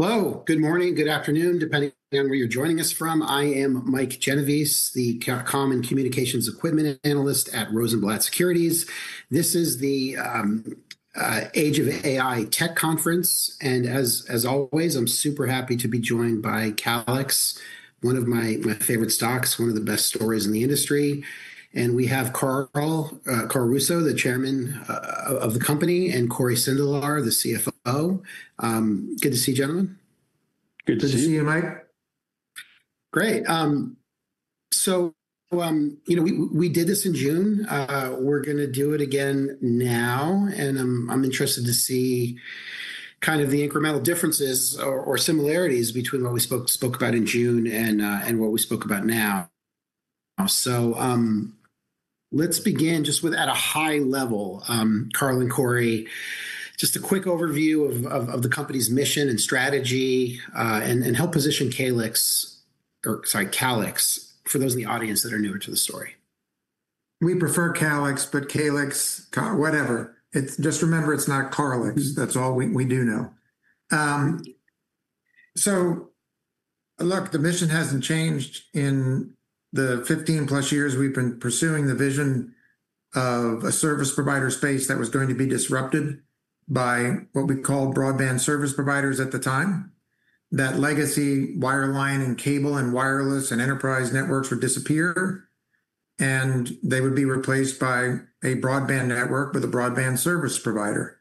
Hello, good morning, good afternoon, depending on where you're joining us from. I am Mike Genovese, the Communications Equipment Analyst at Rosenblatt Securities. This is the Age of AI Tech Conference, and as always, I'm super happy to be joined by Calix, one of my favorite stocks, one of the best stories in the industry. We have Carl Russo, the Chairman of the company, and Cory Sindelar, the CFO. Good to see you, gentlemen. Good to see you, Mike. Great. We did this in June. We're going to do it again now, and I'm interested to see the incremental differences or similarities between what we spoke about in June and what we spoke about now. Let's begin just at a high level, Carl and Cory, just a quick overview of the company's mission and strategy and help position Calix for those in the audience that are newer to the story. We prefer Calix, but Calix, whatever, just remember it's not Calix, that's all we do know. Look, the mission hasn't changed in the 15+ years we've been pursuing the vision of a service provider space that was going to be disrupted by what we called broadband service providers at the time. That legacy wireline and cable and wireless and enterprise networks would disappear, and they would be replaced by a broadband network with a broadband service provider.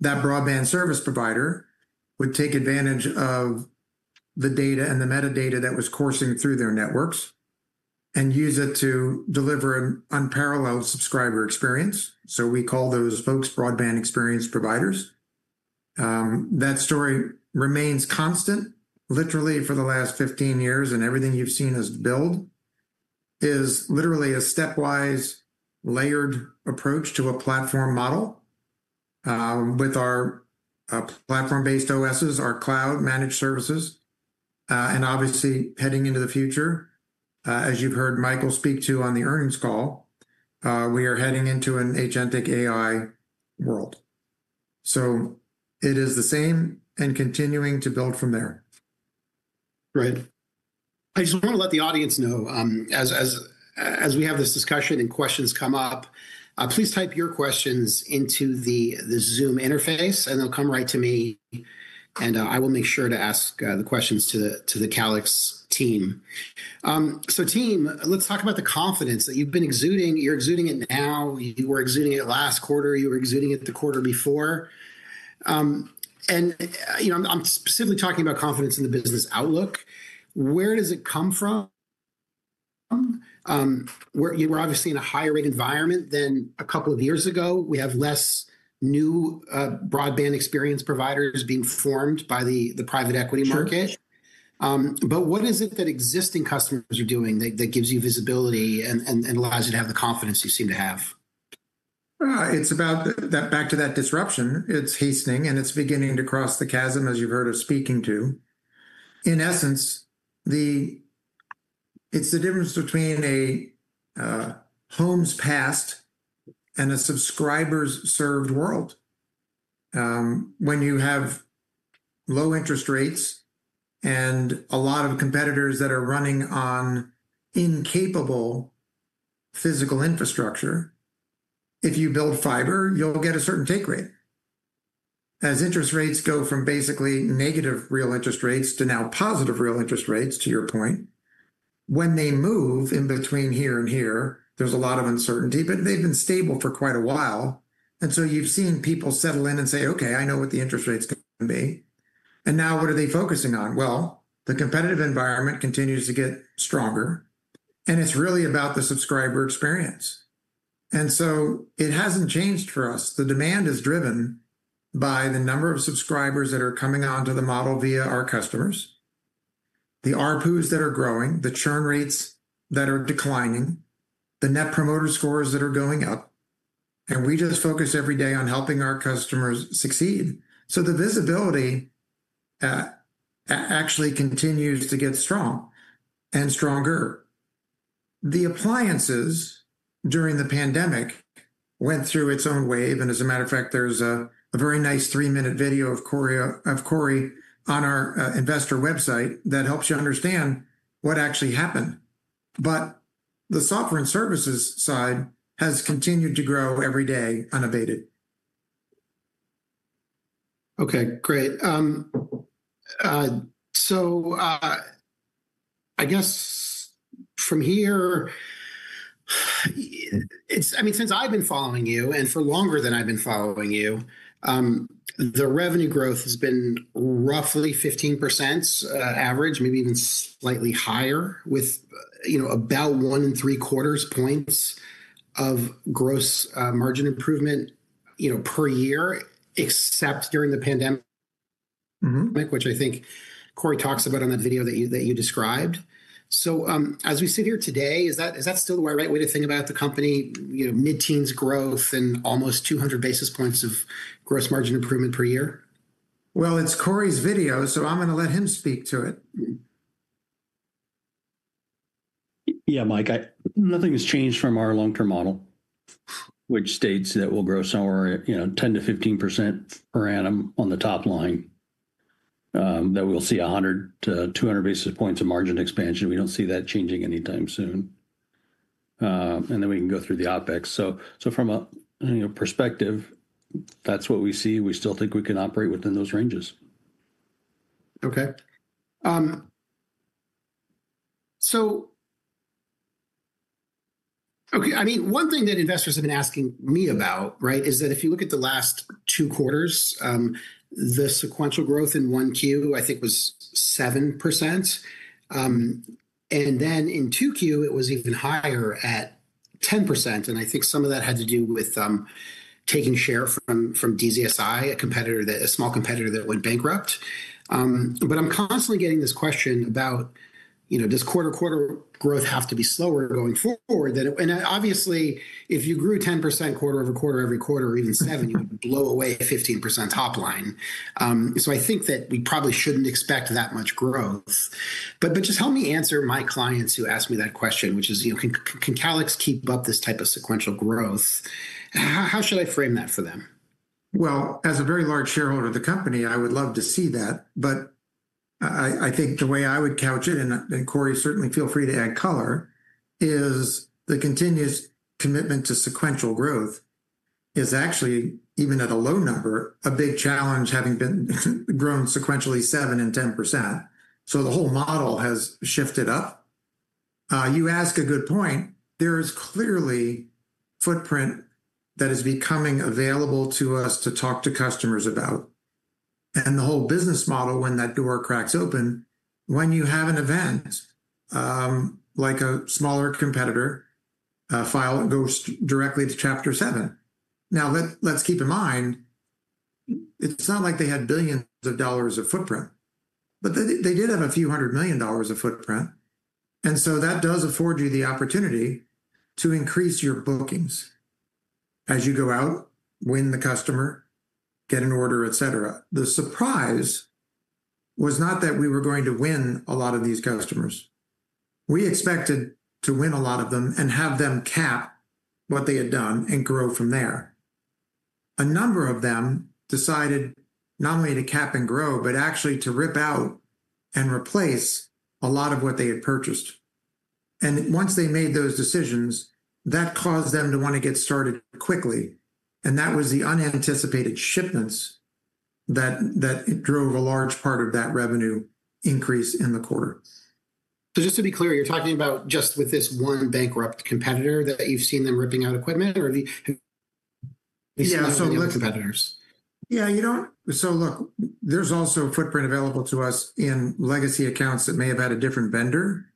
That broadband service provider would take advantage of the data and the metadata that was coursing through their networks and use it to deliver an unparalleled subscriber experience. We call those folks broadband experience providers. That story remains constant, literally for the last 15 years, and everything you've seen us build is literally a stepwise, layered approach to a platform model with our platform-based OSes, our cloud-managed services, and obviously heading into the future. As you've heard Michael speak to on the earnings call, we are heading into an agentic AI world. It is the same and continuing to build from there. Right. I just want to let the audience know, as we have this discussion and questions come up, please type your questions into the Zoom interface, and they'll come right to me. I will make sure to ask the questions to the Calix team. Team, let's talk about the confidence that you've been exuding. You're exuding it now. You were exuding it last quarter. You were exuding it the quarter before. I'm simply talking about confidence in the business outlook. Where does it come from? We're obviously in a higher rate environment than a couple of years ago. We have less new broadband experience providers being formed by the private equity market. What is it that existing customers are doing that gives you visibility and allows you to have the confidence you seem to have? It's about that, back to that disruption. It's hastening, and it's beginning to cross the chasm, as you've heard us speaking to. In essence, it's the difference between a home's past and a subscriber's served world. When you have low interest rates and a lot of competitors that are running on incapable physical infrastructure, if you build fiber, you'll get a certain take rate. As interest rates go from basically negative real interest rates to now positive real interest rates, to your point, when they move in between here and here, there's a lot of uncertainty, but they've been stable for quite a while. You've seen people settle in and say, okay, I know what the interest rates can be. Now what are they focusing on? The competitive environment continues to get stronger, and it's really about the subscriber experience. It hasn't changed for us. The demand is driven by the number of subscribers that are coming onto the model via our customers, the ARPUs that are growing, the churn rates that are declining, the Net Promoter Scores that are going up, and we just focus every day on helping our customers succeed. The visibility actually continues to get strong and stronger. The appliances during the pandemic went through its own wave, and as a matter of fact, there's a very nice three-minute video of Cory on our investor website that helps you understand what actually happened. The software and services side has continued to grow every day, unabated. Okay, great. I guess from here, I mean, since I've been following you, and for longer than I've been following you, the revenue growth has been roughly 15% average, maybe even slightly higher, with about 1.75 points of gross margin improvement per year, except during the pandemic, which I think Cory talks about on that video that you described. As we sit here today, is that still the right way to think about the company, mid-teens growth and almost 200 basis points of gross margin improvement per year? It is Cory's video, so I'm going to let him speak to it. Yeah, Mike, nothing has changed from our long-term model, which states that we'll grow somewhere, you know, 10%-15% per annum on the top line, that we'll see 100-200 basis points of margin expansion. We don't see that changing anytime soon. We can go through the OpEx. From a perspective, that's what we see. We still think we can operate within those ranges. Okay, I mean, one thing that investors have been asking me about is that if you look at the last two quarters, the sequential growth in 1Q, I think was 7%. In 2Q, it was even higher at 10%. I think some of that had to do with taking share from DZS, a small competitor that went bankrupt. I'm constantly getting this question about, you know, does quarter-to-quarter growth have to be slower going forward? Obviously, if you grew 10% quarter-over-quarter every quarter, or even 7%, you would blow away 15% top line. I think that we probably shouldn't expect that much growth. Just help me answer my clients who ask me that question, which is, you know, can Calix keep up this type of sequential growth? How should I frame that for them? As a very large shareholder of the company, I would love to see that. I think the way I would couch it, and Cory, certainly feel free to add color, is the continuous commitment to sequential growth is actually, even at a low number, a big challenge, having grown sequentially 7% and 10%. The whole model has shifted up. You ask a good point. There is clearly a footprint that is becoming available to us to talk to customers about. The whole business model, when that door cracks open, when you have an event, like a smaller competitor, a file that goes directly to chapter seven. Let's keep in mind, it's not like they had billions of dollars of footprint, but they did have a few hundred million dollars of footprint. That does afford you the opportunity to increase your bookings as you go out, win the customer, get an order, etc. The surprise was not that we were going to win a lot of these customers. We expected to win a lot of them and have them cap what they had done and grow from there. A number of them decided not only to cap and grow, but actually to rip out and replace a lot of what they had purchased. Once they made those decisions, that caused them to want to get started quickly. That was the unanticipated shipments that drove a large part of that revenue increase in the quarter. Just to be clear, you're talking about just with this one bankrupt competitor that you've seen them ripping out equipment or these other competitors? Yeah, you don't. Look, there's also a footprint available to us in legacy accounts that may have had a different vendor.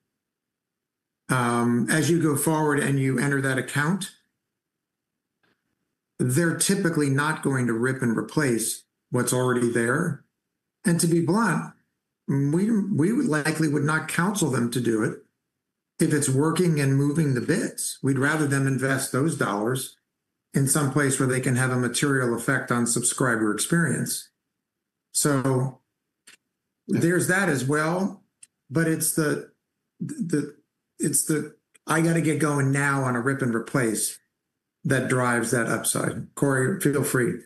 As you go forward and you enter that account, they're typically not going to rip and replace what's already there. To be blunt, we likely would not counsel them to do it if it's working and moving the bits. We'd rather them invest those dollars in someplace where they can have a material effect on subscriber experience. There's that as well. It's the, I got to get going now on a rip and replace that drives that upside. Cory, feel free.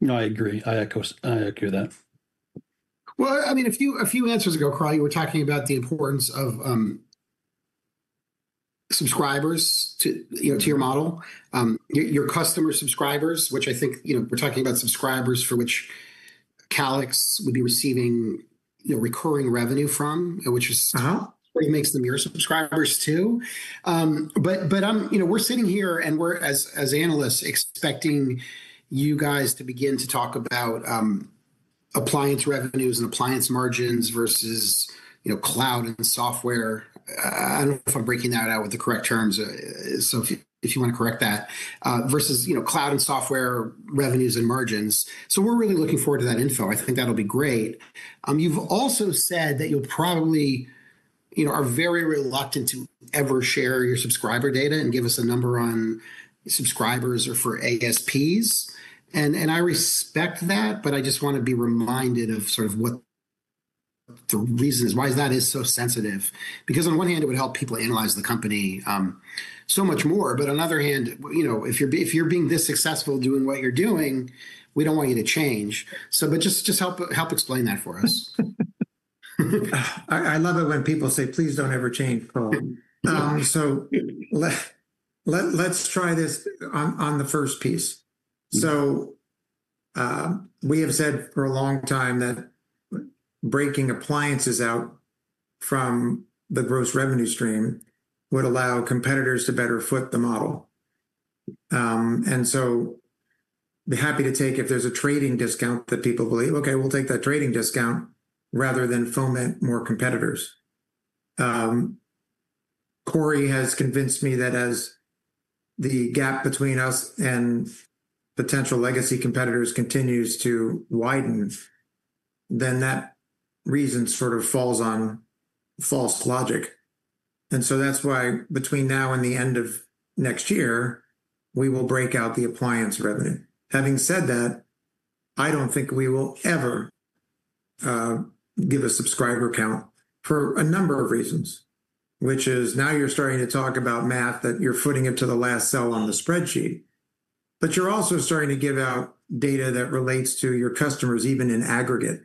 No, I agree. I echo that. A few answers ago, Carl, you were talking about the importance of subscribers to your model, your customer subscribers, which I think, you know, we're talking about subscribers for which Calix would be receiving, you know, recurring revenue from, which makes them your subscribers too. We're sitting here and we're, as analysts, expecting you guys to begin to talk about appliance revenue and appliance margins versus, you know, cloud and software. I don't know if I'm breaking that out with the correct terms. If you want to correct that, versus, you know, cloud and software revenue and margins. We're really looking forward to that info. I think that'll be great. You've also said that you'll probably, you know, are very reluctant to ever share your subscriber data and give us a number on subscribers or for ASPs. I respect that, but I just want to be reminded of sort of what the reason is, why that is so sensitive. Because on one hand, it would help people analyze the company so much more, but on the other hand, you know, if you're being this successful doing what you're doing, we don't want you to change. Just help explain that for us. I love it when people say, please don't ever change, Carl. Let's try this on the first piece. We have said for a long time that breaking appliances out from the gross revenue stream would allow competitors to better foot the model. Be happy to take if there's a trading discount that people believe. We'll take that trading discount rather than foment more competitors. Cory has convinced me that as the gap between us and potential legacy competitors continues to widen, that reason sort of falls on false logic. That's why between now and the end of next year, we will break out the appliance revenue. Having said that, I don't think we will ever give a subscriber count for a number of reasons, which is now you're starting to talk about math that you're footing it to the last cell on the spreadsheet. You're also starting to give out data that relates to your customers, even in aggregate.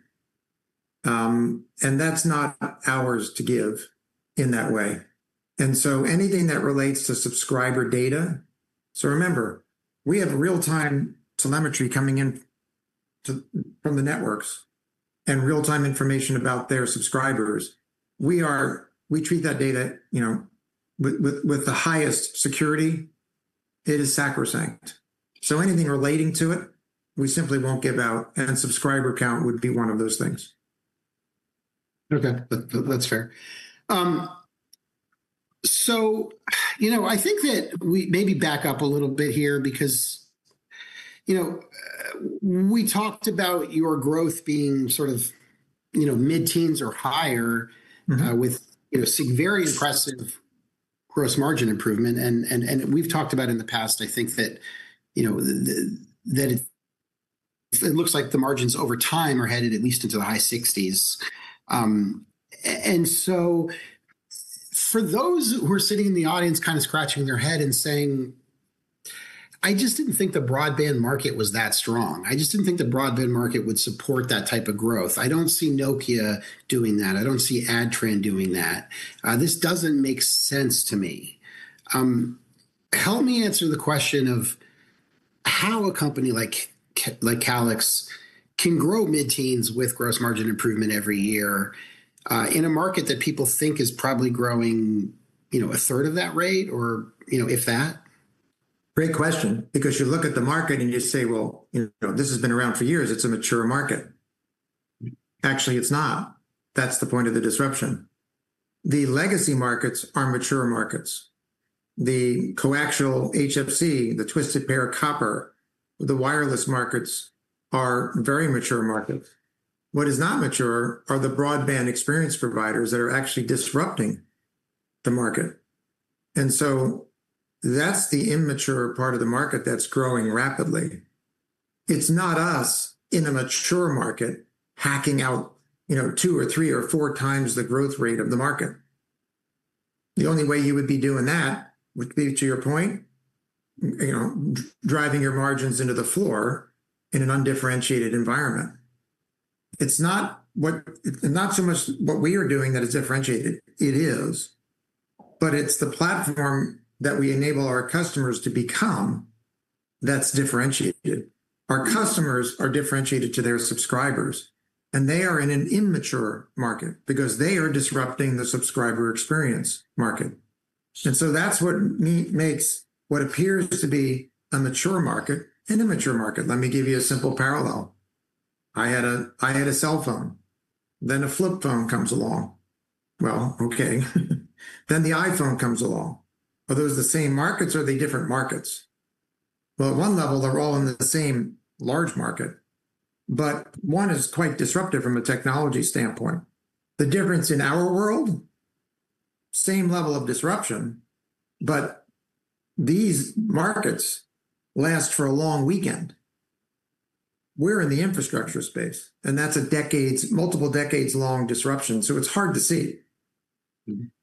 That's not ours to give in that way. Anything that relates to subscriber data, remember, we have real-time telemetry coming in from the networks and real-time information about their subscribers. We treat that data with the highest security. It is sacrosanct. Anything relating to it, we simply won't give out, and a subscriber count would be one of those things. Okay, that's fair. I think that we maybe back up a little bit here because we talked about your growth being sort of mid-teens or higher with seeing very impressive gross margin improvement. We've talked about in the past, I think that it looks like the margins over time are headed at least into the high 60s. For those who are sitting in the audience kind of scratching their head and saying, I just didn't think the broadband market was that strong. I just didn't think the broadband market would support that type of growth. I don't see Nokia doing that. I don't see Adtran doing that. This doesn't make sense to me. Help me answer the question of how a company like Calix can grow mid-teens with gross margin improvement every year in a market that people think is probably growing 1/3 of that rate or, if that. Great question. Because you look at the market and you say, you know, this has been around for years. It's a mature market. Actually, it's not. That's the point of the disruption. The legacy markets are mature markets. The coaxial HFC, the twisted pair of copper, the wireless markets are very mature markets. What is not mature are the broadband experience providers that are actually disrupting the market. That's the immature part of the market that's growing rapidly. It's not us in a mature market hacking out, you know, 2x or 3x or 4x the growth rate of the market. The only way you would be doing that would be, to your point, driving your margins into the floor in an undifferentiated environment. It's not so much what we are doing that is differentiated. It is, but it's the platform that we enable our customers to become that's differentiated. Our customers are differentiated to their subscribers, and they are in an immature market because they are disrupting the subscriber experience market. That's what makes what appears to be a mature market an immature market. Let me give you a simple parallel. I had a cell phone, then a flip phone comes along. Then the iPhone comes along. Are those the same markets or are they different markets? At one level, they're all in the same large market, but one is quite disruptive from a technology standpoint. The difference in our world, same level of disruption, but these markets last for a long weekend. We're in the infrastructure space, and that's a multiple decades-long disruption. It's hard to see,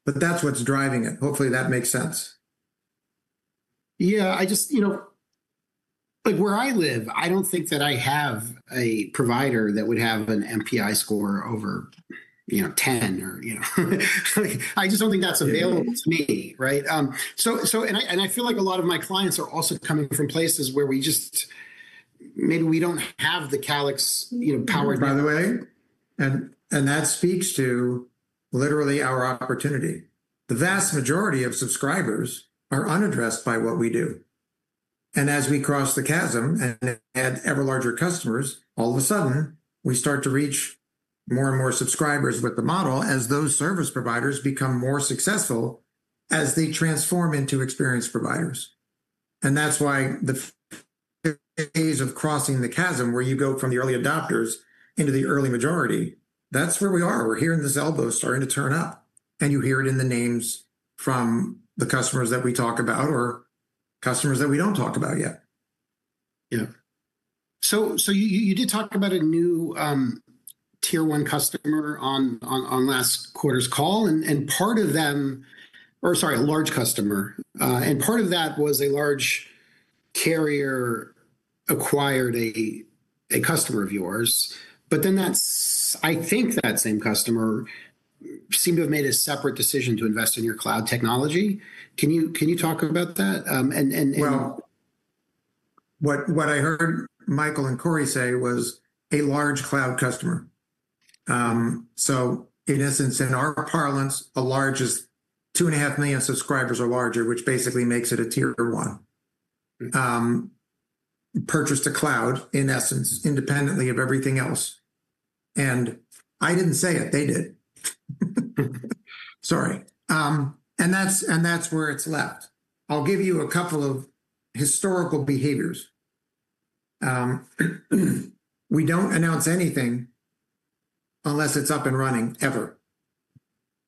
but that's what's driving it. Hopefully, that makes sense. I just, you know, like where I live, I don't think that I have a provider that would have an MPI score over 10 or, you know. I just don't think that's available to me, right? I feel like a lot of my clients are also coming from places where we just, maybe we don't have the Calix power by the way, that speaks to literally our opportunity. The vast majority of subscribers are unaddressed by what we do. As we cross the chasm and have ever larger customers, all of a sudden, we start to reach more and more subscribers with the model as those service providers become more successful as they transform into experience providers. That is why the phase of crossing the chasm, where you go from the early adopters into the early majority, is where we are. We are hearing the cell bells starting to turn up, and you hear it in the names from the customers that we talk about or customers that we do not talk about yet. You did talk about a new tier one customer on last quarter's call, and part of that was a large carrier acquired a customer of yours. I think that same customer seemed to have made a separate decision to invest in your cloud technology. Can you talk about that? What I heard Michael and Cory say was a large cloud customer. In our parlance, a large is $2.5 million subscribers or larger, which basically makes it a Tier 1. Purchased a cloud, in essence, independently of everything else. I didn't say it, they did. Sorry. That's where it's left. I'll give you a couple of historical behaviors. We don't announce anything unless it's up and running, ever.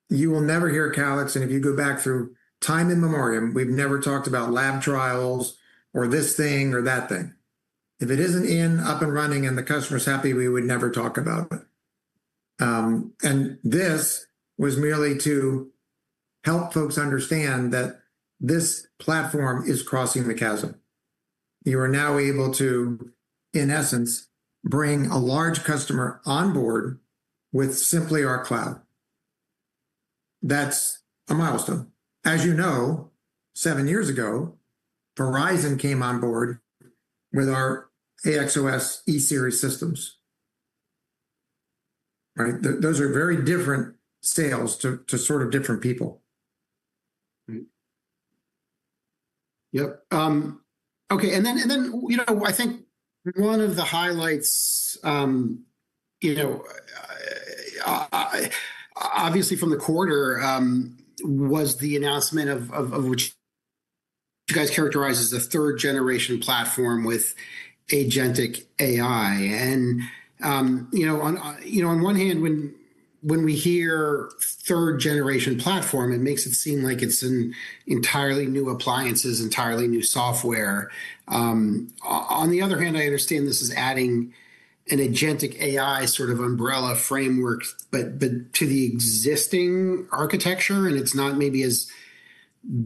You will never hear Calix, and if you go back through time and memoriam, we've never talked about lab trials or this thing or that thing. If it isn't in, up and running, and the customer's happy, we would never talk about it. This was merely to help folks understand that this platform is crossing the chasm. You are now able to, in essence, bring a large customer on board with simply our cloud. That's a milestone. As you know, seven years ago, Verizon came on board with our AXOS E-Series systems. Those are very different sales to sort of different people. Okay. I think one of the highlights from the quarter was the announcement of what you guys characterize as the third-generation platform with agentic AI. On one hand, when we hear third-generation platform, it makes it seem like it's an entirely new appliance, entirely new software. On the other hand, I understand this is adding an agentic AI sort of umbrella framework to the existing architecture, and it's not maybe as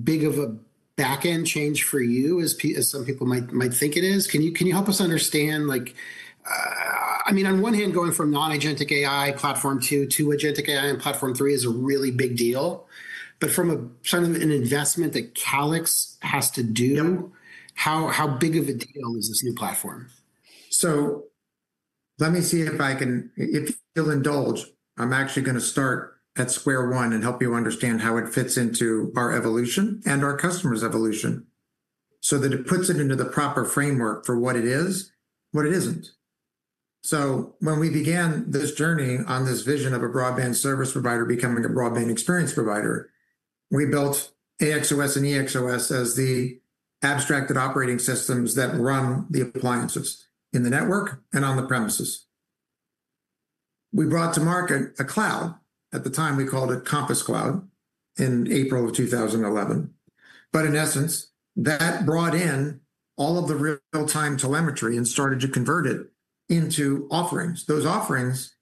big of a backend change for you as some people might think it is. Can you help us understand, on one hand, going from non-agentic AI platform two to agentic AI and platform three is a really big deal. From a sort of an investment that Calix has to do, how big of a deal is this new platform? Let me see if I can, if you'll indulge, I'm actually going to start at square one and help you understand how it fits into our evolution and our customer's evolution so that it puts it into the proper framework for what it is, what it isn't. When we began this journey on this vision of a broadband service provider becoming a broadband experience provider, we built AXOS and EXOS as the abstracted operating systems that run the appliances in the network and on the premises. We brought to market a cloud. At the time, we called it Compass Cloud in April of 2011. In essence, that brought in all of the real-time telemetry and started to convert it into offerings. Those offerings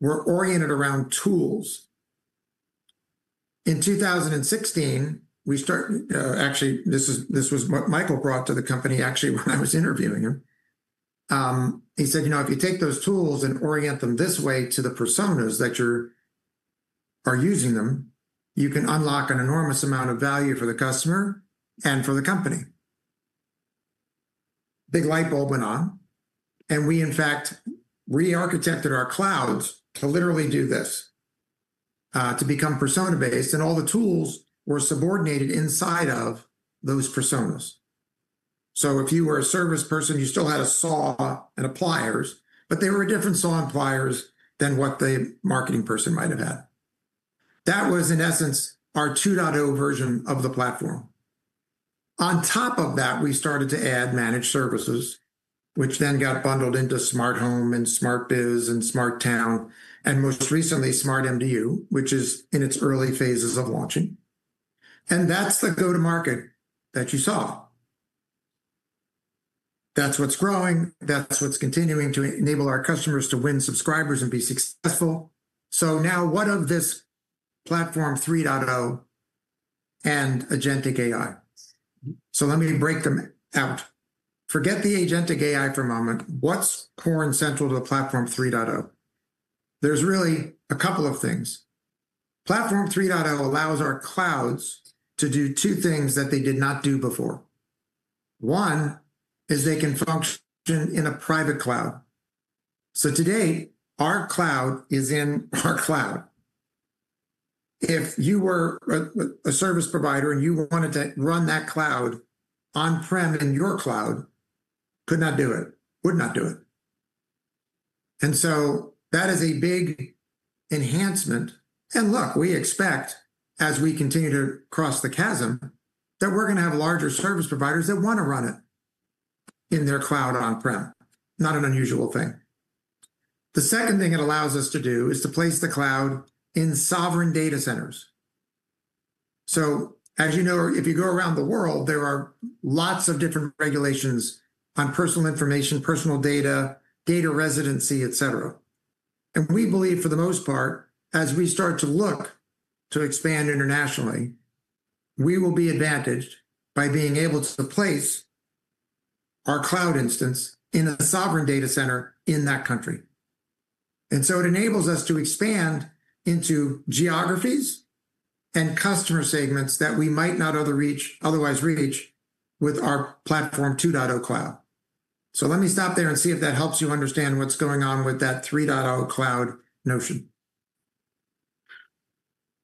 were oriented around tools. In 2016, we started, actually, this was what Michael brought to the company, actually, when I was interviewing him. He said, you know, if you take those tools and orient them this way to the personas that you're using them, you can unlock an enormous amount of value for the customer and for the company. Big light bulb went on. We, in fact, re-architected our clouds to literally do this, to become persona-based, and all the tools were subordinated inside of those personas. If you were a service person, you still had a saw and pliers, but they were a different saw and pliers than what the marketing person might have had. That was, in essence, our 2.0 version of the platform. On top of that, we started to add managed services, which then got bundled into SmartHome and SmartBiz and SmartTown, and most recently, SmartMDU, which is in its early phases of launching. That's the go-to-market that you saw. That's what's growing. That's what's continuing to enable our customers to win subscribers and be successful. Now, what of this platform 3.0 and agentic AI? Let me break them out. Forget the agentic AI for a moment. What's core and central to the platform 3.0? There's really a couple of things. Platform 3.0 allows our clouds to do two things that they did not do before. One is they can function in a private cloud. Today, our cloud is in our cloud. If you were a service provider and you wanted to run that cloud on-prem in your cloud, could not do it, would not do it. That is a big enhancement. We expect, as we continue to cross the chasm, that we're going to have larger service providers that want to run it in their cloud on-prem. Not an unusual thing. The second thing it allows us to do is to place the cloud in sovereign data centers. As you know, if you go around the world, there are lots of different regulations on personal information, personal data, data residency, etc. We believe, for the most part, as we start to look to expand internationally, we will be advantaged by being able to place our cloud instance in a sovereign data center in that country. It enables us to expand into geographies and customer segments that we might not otherwise reach with our platform 2.0 cloud. Let me stop there and see if that helps you understand what's going on with that 3.0 cloud notion.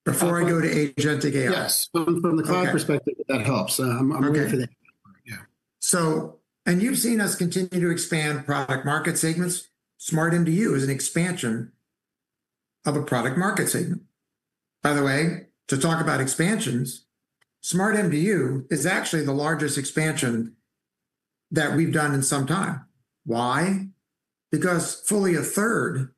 Before I go to agentic AI. Yes, from the cloud perspective, that helps. Okay, so you've seen us continue to expand product-market segments. SmartMDU is an expansion of a product-market segment. By the way, to talk about expansions, SmartMDU is actually the largest expansion that we've done in some time. Why? Because fully 1/3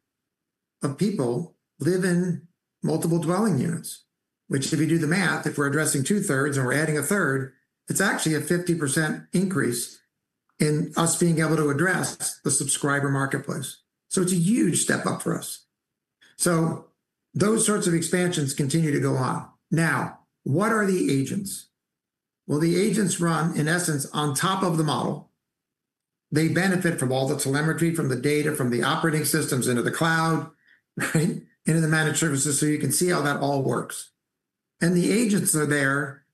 of people live in multiple dwelling units, which, if you do the math, if we're addressing 2/3 and we're adding 1/3, it's actually a 50% increase in us being able to address the subscriber marketplace. It's a huge step up for us. Those sorts of expansions continue to go on. Now, what are the agents? The agents run, in essence, on top of the model. They benefit from all the telemetry, from the data, from the operating systems into the cloud, right into the managed services. You can see how that all works. The agents are there,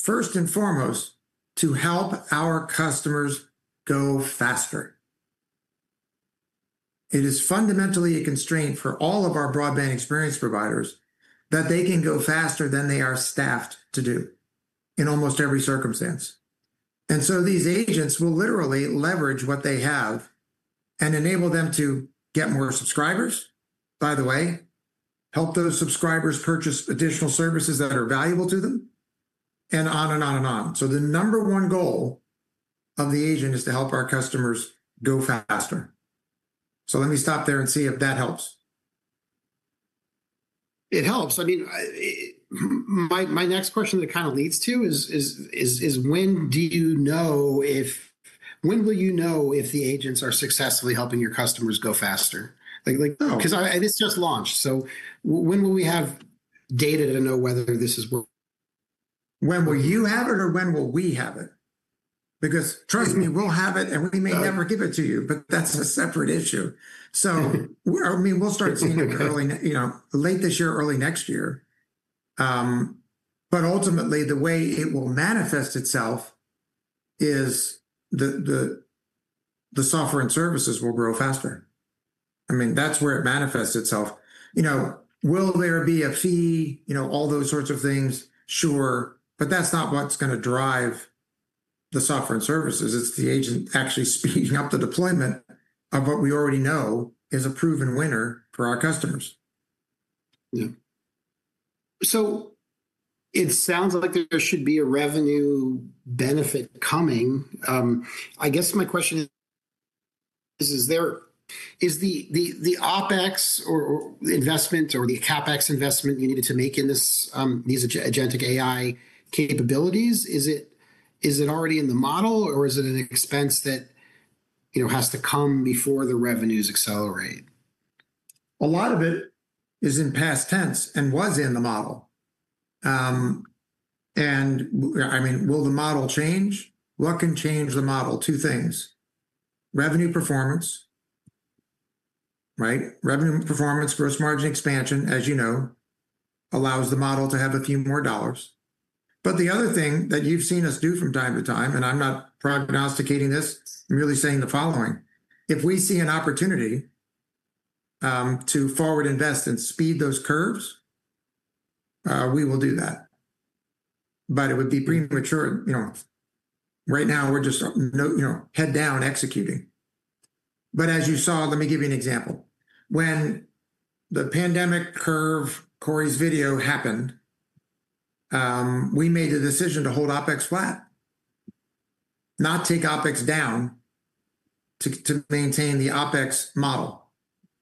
first and foremost, to help our customers go faster. It is fundamentally a constraint for all of our broadband experience providers that they can go faster than they are staffed to do in almost every circumstance. These agents will literally leverage what they have and enable them to get more subscribers, by the way, help those subscribers purchase additional services that are valuable to them, and on and on and on. The number one goal of the agent is to help our customers go faster. Let me stop there and see if that helps. It helps. My next question that kind of leads to is, when do you know if, when will you know if the agents are successfully helping your customers go faster? This just launched. When will we have data to know whether this is working? When will you have it or when will we have it? Trust me, we'll have it and we may never give it to you, but that's a separate issue. I mean, we'll start seeing it late this year, early next year. Ultimately, the way it will manifest itself is the software and services will grow faster. That's where it manifests itself. Will there be a fee, all those sorts of things? Sure. That's not what's going to drive the software and services. It's the agent actually speeding up the deployment of what we already know is a proven winner for our customers. It sounds like there should be a revenue benefit coming. I guess my question is, is the OpEx or investment or the CapEx investment you needed to make in these agentic AI capabilities, is it already in the model or is it an expense that has to come before the revenues accelerate? A lot of it is in past tense and was in the model. I mean, will the model change? What can change the model? Two things. Revenue performance, right? Revenue performance, gross margin expansion, as you know, allows the model to have a few more dollars. The other thing that you've seen us do from time to time, and I'm not prognosticating this, I'm really saying the following. If we see an opportunity to forward invest and speed those curves, we will do that. It would be premature. Right now we're just head down executing. As you saw, let me give you an example. When the pandemic curve, Cory's video happened, we made the decision to hold OpEx flat, not take OpEx down to maintain the OpEx model.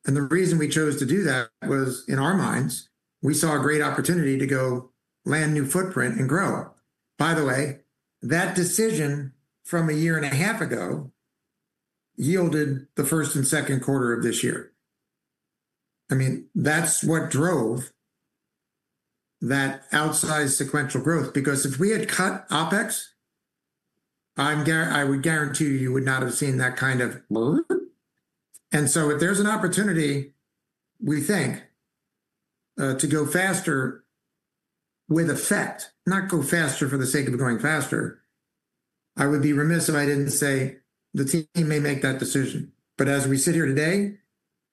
The reason we chose to do that was, in our minds, we saw a great opportunity to go land new footprint and grow. By the way, that decision from a year and a half ago yielded the first and second quarter of this year. I mean, that's what drove that outsized sequential growth because if we had cut OpEx, I would guarantee you would not have seen that kind of burn. If there's an opportunity, we think, to go faster with effect, not go faster for the sake of going faster, I would be remiss if I didn't say the team may make that decision. As we sit here today,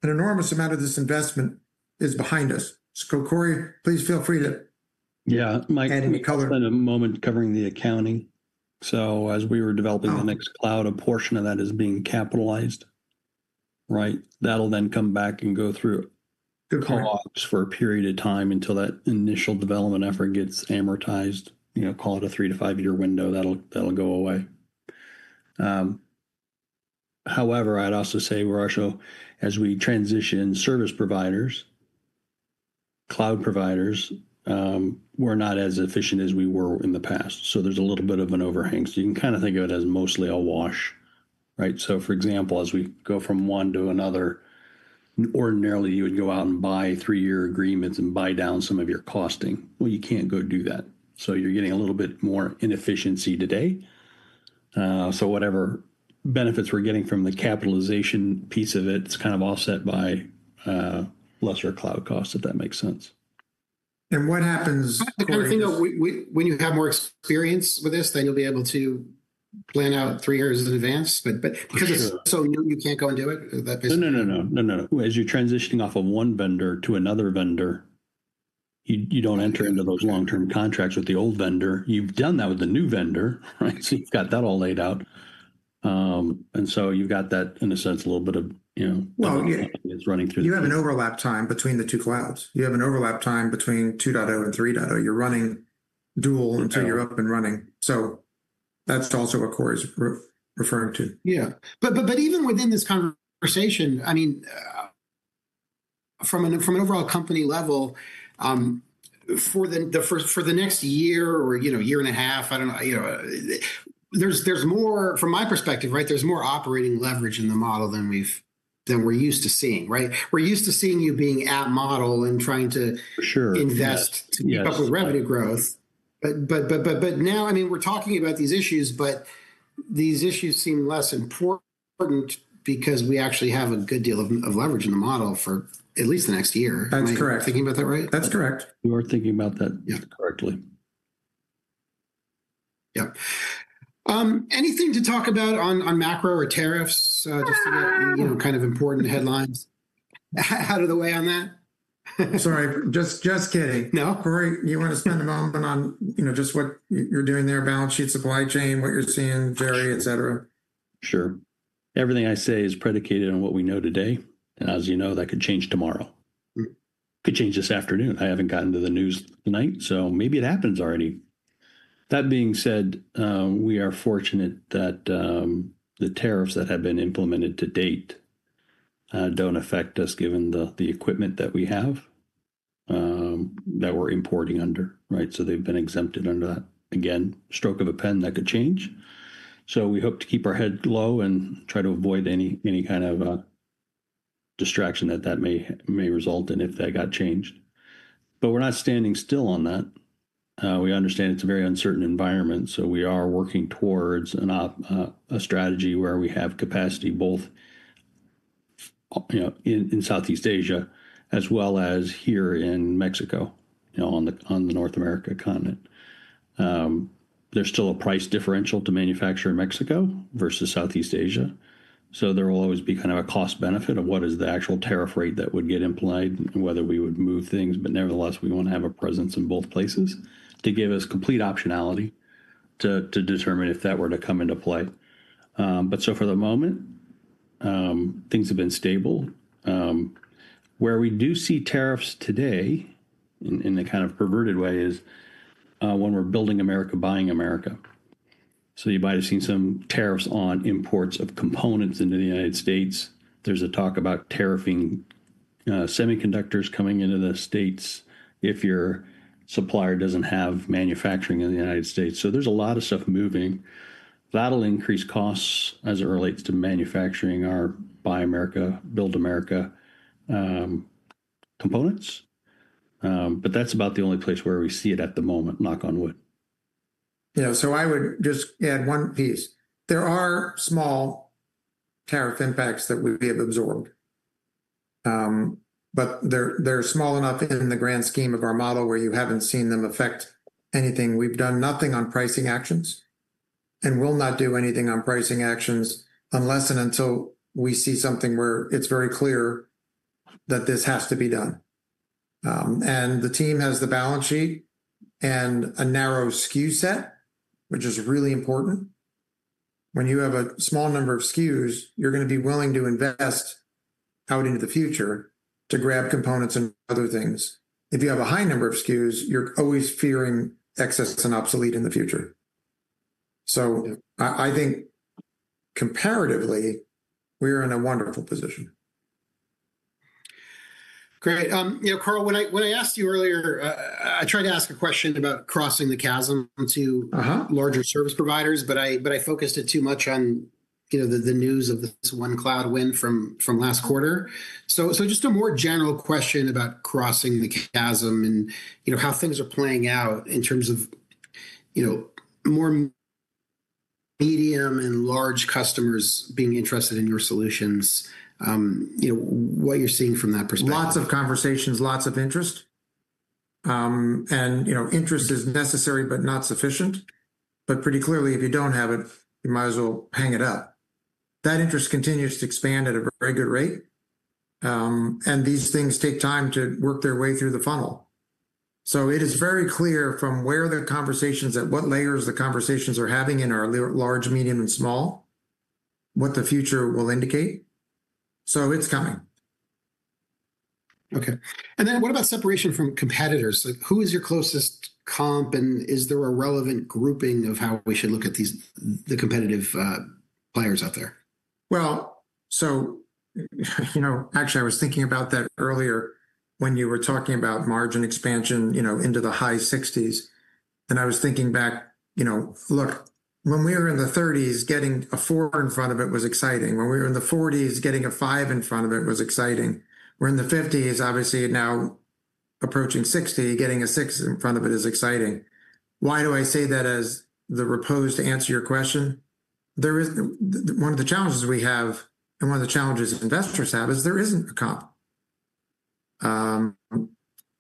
an enormous amount of this investment is behind us. Cory, please feel free to. Yeah, Mike, I'll spend a moment covering the accounting. As we were developing the next cloud, a portion of that is being capitalized, right? That'll then come back and go through co-ops for a period of time until that initial development effort gets amortized. Call it a three to five-year window, that'll go away. However, I'd also say we're also, as we transition service providers, cloud providers, we're not as efficient as we were in the past. There's a little bit of an overhang. You can kind of think of it as mostly a wash, right? For example, as we go from one to another, ordinarily you would go out and buy three-year agreements and buy down some of your costing. You can't go do that. You're getting a little bit more inefficiency today. Whatever benefits we're getting from the capitalization piece of it, it's kind of offset by lesser cloud costs, if that makes sense. What happens. I think when you have more experience with this, you'll be able to plan out three years in advance because it's so new, you can't go and do it. No, no. As you're transitioning off of one vendor to another vendor, you don't enter into those long-term contracts with the old vendor. You've done that with the new vendor, right? You've got that all laid out, and you've got that, in a sense, a little bit of, you know, yeah, it's running too. You have an overlap time between the two clouds. You have an overlap time between 2.0 and 3.0. You're running dual until you're up and running. That is also what Cory's referring to. Yeah, even within this conversation, I mean, from an overall company level, for the next year or, you know, year and a half, I don't know, there's more, from my perspective, right? There's more operating leverage in the model than we're used to seeing, right? We're used to seeing you being at model and trying to invest in revenue growth. Now, I mean, we're talking about these issues, but these issues seem less important because we actually have a good deal of leverage in the model for at least the next year. That's correct. Thinking about that, right? That's correct. You are thinking about that correctly. Yep. Anything to talk about on macro or tariffs, just kind of important headlines? How to the way on that? Sorry, just kidding. Cory, you want to spend a moment on, you know, just what you're doing there, balance sheet, supply chain, what you're seeing, Jerry, etc.? Sure. Everything I say is predicated on what we know today. As you know, that could change tomorrow. It could change this afternoon. I haven't gotten to the news tonight, so maybe it happens already. That being said, we are fortunate that the tariffs that have been implemented to date don't affect us given the equipment that we have that we're importing under, right? They've been exempted under that. Again, stroke of a pen, that could change. We hope to keep our head low and try to avoid any kind of distraction that that may result in if that got changed. We're not standing still on that. We understand it's a very uncertain environment. We are working towards a strategy where we have capacity both in Southeast Asia as well as here in Mexico, on the North American continent. There's still a price differential to manufacture in Mexico versus Southeast Asia. There will always be kind of a cost-benefit of what is the actual tariff rate that would get implied and whether we would move things. Nevertheless, we want to have a presence in both places to give us complete optionality to determine if that were to come into play. For the moment, things have been stable. Where we do see tariffs today in the kind of perverted way is when we're building America, buying America. You might have seen some tariffs on imports of components into the United States. There's a talk about tariffing semiconductors coming into the States if your supplier doesn't have manufacturing in the United States. There's a lot of stuff moving. That'll increase costs as it relates to manufacturing our Buy America, Build America components. That's about the only place where we see it at the moment, knock on wood. Yeah, so I would just add one piece. There are small tariff impacts that we have absorbed, but they're small enough in the grand scheme of our model where you haven't seen them affect anything. We've done nothing on pricing actions, and we'll not do anything on pricing actions unless and until we see something where it's very clear that this has to be done. The team has the balance sheet and a narrow SKU set, which is really important. When you have a small number of SKUs, you're going to be willing to invest out into the future to grab components and other things. If you have a high number of SKUs, you're always fearing excess and obsolete in the future. I think comparatively, we're in a wonderful position. Great. Carl, when I asked you earlier, I tried to ask a question about crossing the chasm to larger service providers, but I focused it too much on the news of this [OneCloud] win from last quarter. Just a more general question about crossing the chasm and how things are playing out in terms of more medium and large customers being interested in your solutions, what you're seeing from that perspective. Lots of conversations, lots of interest. Interest is necessary but not sufficient. Pretty clearly, if you don't have it, you might as well hang it up. That interest continues to expand at a very good rate. These things take time to work their way through the funnel. It is very clear from where the conversations, at what layers the conversations are having in our large, medium, and small, what the future will indicate. It's coming. Okay. What about separation from competitors? Who is your closest comp, and is there a relevant grouping of how we should look at the competitive players out there? Actually, I was thinking about that earlier when you were talking about margin expansion into the high 60s. I was thinking back, look, when we were in the 30s, getting a four in front of it was exciting. When we were in the 40s, getting a five in front of it was exciting. We're in the 50s, obviously now approaching 60, getting a six in front of it is exciting. Why do I say that as the reposed answer to your question? One of the challenges we have and one of the challenges that investors have is there isn't a comp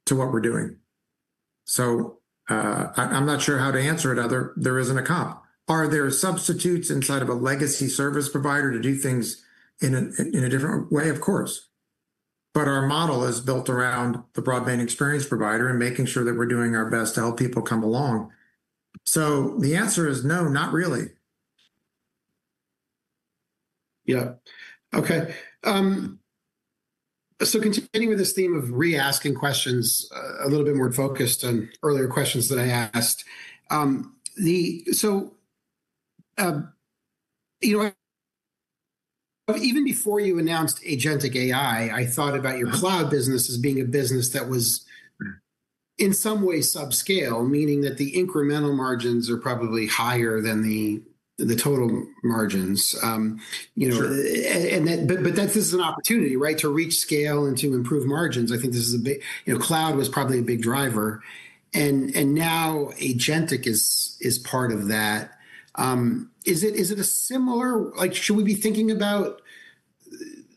to what we're doing. I'm not sure how to answer it. There isn't a comp. Are there substitutes inside of a legacy service provider to do things in a different way? Of course. Our model is built around the broadband experience provider and making sure that we're doing our best to help people come along. The answer is no, not really. Okay. Continuing with this theme of re-asking questions a little bit more focused on earlier questions that I asked. Even before you announced agentic AI, I thought about your cloud business as being a business that was in some way sub-scale, meaning that the incremental margins are probably higher than the total margins. This is an opportunity, right, to reach scale and to improve margins. I think this is a big, you know, cloud was probably a big driver. Now agentic is part of that. Is it a similar, like, should we be thinking about,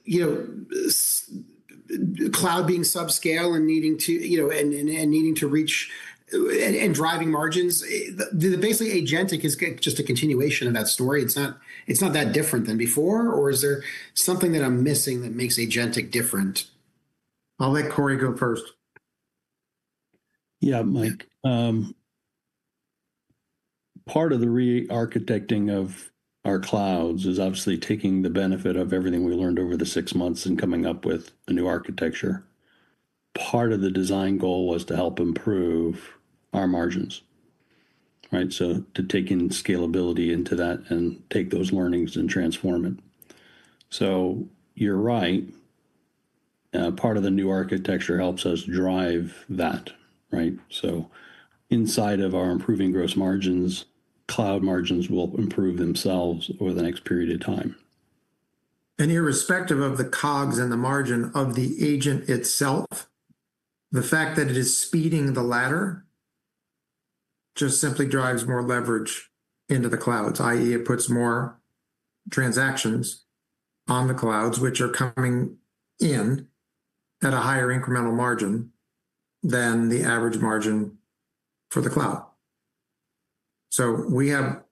you know, cloud being sub-scale and needing to, you know, and needing to reach and driving margins? Basically, agentic is just a continuation of that story. It's not that different than before, or is there something that I'm missing that makes agentic different? I'll let Cory go first. Yeah, Mike. Part of the re-architecting of our clouds is obviously taking the benefit of everything we learned over the six months and coming up with a new architecture. Part of the design goal was to help improve our margins, right? To take in scalability into that and take those learnings and transform it. You're right. Part of the new architecture helps us drive that, right? Inside of our improving gross margins, cloud margins will improve themselves over the next period of time. Irrespective of the COGs and the margin of the agent itself, the fact that it is speeding the ladder just simply drives more leverage into the clouds, i.e., it puts more transactions on the clouds, which are coming in at a higher incremental margin than the average margin for the cloud. We have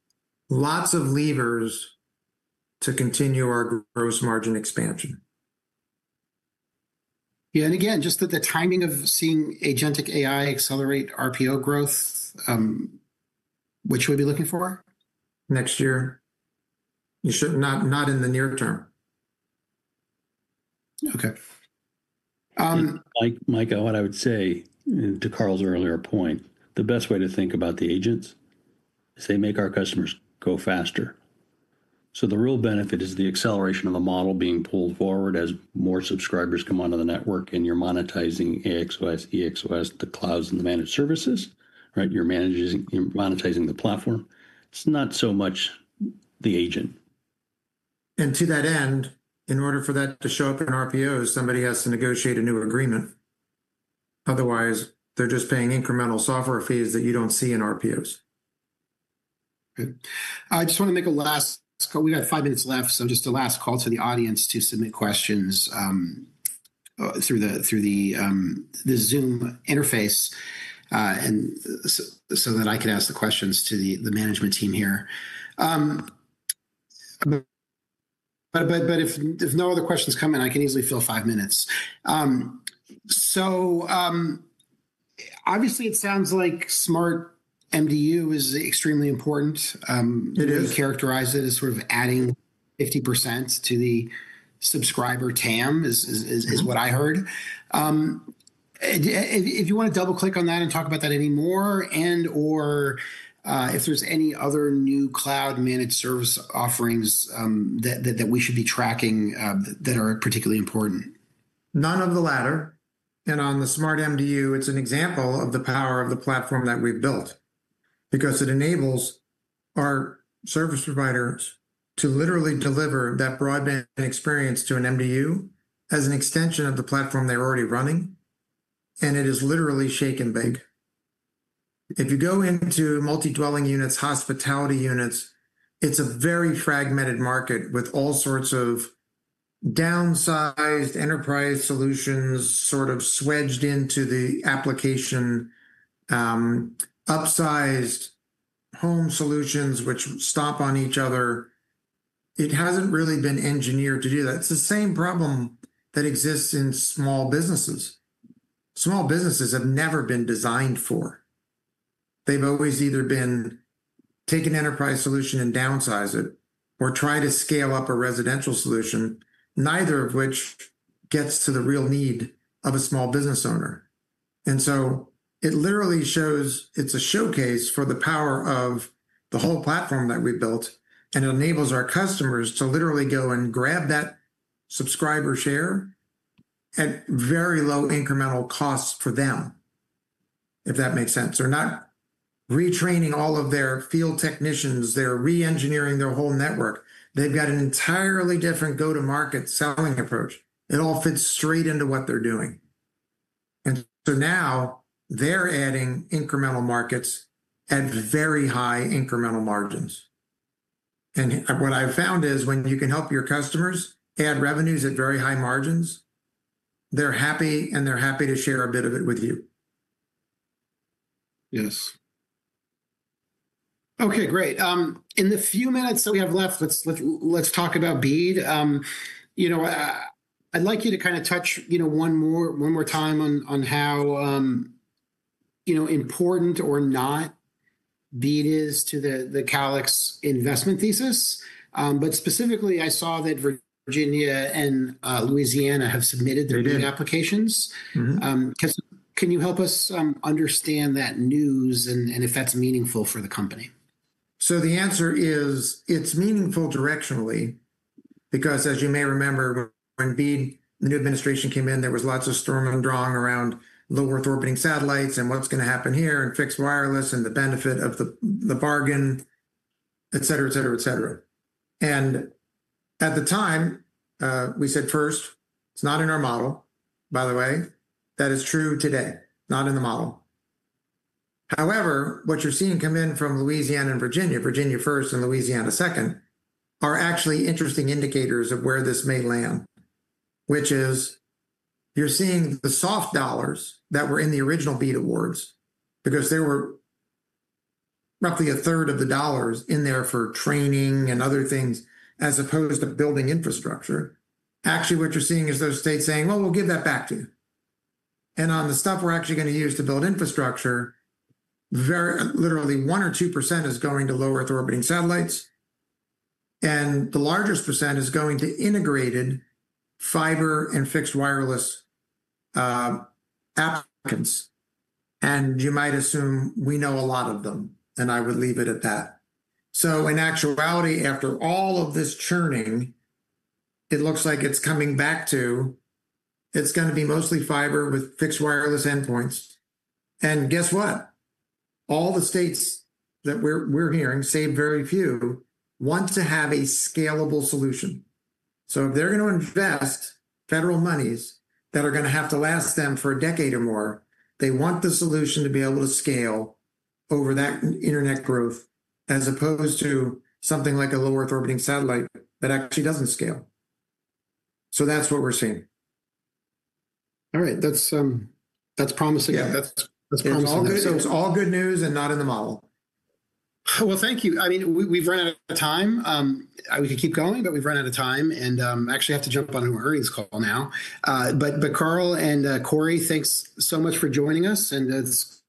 lots of levers to continue our gross margin expansion. Yeah, just that the timing of seeing agentic AI accelerate RPO growth, what should we be looking for? Next year, you should not, not in the near term. Okay. Like Michael, and I would say, and to Carl's earlier point, the best way to think about the agents is they make our customers go faster. The real benefit is the acceleration of the model being pulled forward as more subscribers come onto the network, and you're monetizing AXOS, EXOS, the clouds, and the managed services, right? You're monetizing the platform. It's not so much the agent. In order for that to show up in RPOs, somebody has to negotiate a new agreement. Otherwise, they're just paying incremental software fees that you don't see in RPOs. I just want to make a last call. We have five minutes left. Just a last call to the audience to submit questions through the Zoom interface so that I can ask the questions to the management team here. If no other questions come in, I can easily fill five minutes. Obviously, it sounds like SmartMDU is extremely important. It is. You characterize it as sort of adding 50% to the subscriber TAM is what I heard. If you want to double-click on that and talk about that anymore, and/or if there's any other new cloud-managed service offerings that we should be tracking that are particularly important. None of the latter. On the SmartMDU, it's an example of the power of the platform that we've built because it enables our service providers to literally deliver that broadband experience to an MDU as an extension of the platform they're already running. It is literally shake and bake. If you go into multi-dwelling units, hospitality units, it's a very fragmented market with all sorts of downsized enterprise solutions sort of wedged into the application, upsized home solutions which step on each other. It hasn't really been engineered to do that. It's the same problem that exists in small businesses. Small businesses have never been designed for. They've always either been take an enterprise solution and downsize it or try to scale up a residential solution, neither of which gets to the real need of a small business owner. It literally shows it's a showcase for the power of the whole platform that we built. It enables our customers to literally go and grab that subscriber share at very low incremental costs for them, if that makes sense. They're not retraining all of their field technicians or re-engineering their whole network. They've got an entirely different go-to-market selling approach. It all fits straight into what they're doing. Now they're adding incremental markets at very high incremental margins. What I've found is when you can help your customers add revenues at very high margins, they're happy and they're happy to share a bit of it with you. Yes. Okay, great. In the few minutes that we have left, let's talk about BEAD. I'd like you to kind of touch one more time on how important or not BEAD is to the Calix investment thesis. Specifically, I saw that Virginia and Louisiana have submitted their BEAD applications. Can you help us understand that news and if that's meaningful for the company? The answer is it's meaningful directionally because, as you may remember, when BEAD new administration came in, there was lots of storm and drawing around low-earth orbiting satellites and what's going to happen here and fixed wireless and the benefit of the bargain, etc., etc., etc. At the time, we said first, it's not in our model, by the way. That is true today. Not in the model. However, what you're seeing come in from Louisiana and Virginia, Virginia first and Louisiana second, are actually interesting indicators of where this may land, which is you're seeing the soft dollars that were in the original BEAD awards because there were roughly 1/3 of the dollars in there for training and other things as opposed to building infrastructure. Actually, what you're seeing is those States saying, we'll give that back to you. On the stuff we're actually going to use to build infrastructure, literally 1% or 2% is going to low-earth orbiting satellites. The largest percent is going to integrated fiber and fixed wireless applicants. You might assume we know a lot of them, and I would leave it at that. In actuality, after all of this churning, it looks like it's coming back to it's going to be mostly fiber with fixed wireless endpoints. Guess what? All the states that we're hearing, say very few, want to have a scalable solution. If they're going to invest federal monies that are going to have to last them for a decade or more, they want the solution to be able to scale over that Internet growth as opposed to something like a low-earth orbiting satellite that actually doesn't scale. That's what we're seeing. All right, that's promising. All good news and not in the model. Thank you. We've run out of time. We could keep going, but we've run out of time. I actually have to jump on a hurry's call now. Carl and Cory, thanks so much for joining us. It's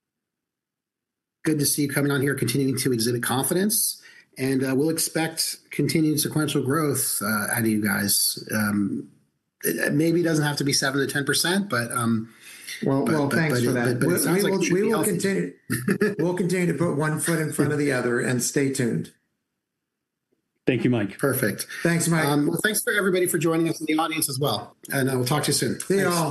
good to see you coming on here, continuing to exhibit confidence. We'll expect continued sequential growth out of you guys. Maybe it doesn't have to be 7%-10%, but. Thank you for that. We will continue to put one foot in front of the other and stay tuned. Thank you, Mike. Perfect. Thank you for everybody for joining us in the audience as well. I'll talk to you soon.